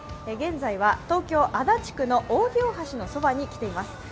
現在は東京・足立区の扇大橋のたもとに来ています。